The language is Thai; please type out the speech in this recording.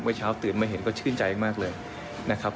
เมื่อเช้าตื่นมาเห็นก็ชื่นใจมากเลยนะครับ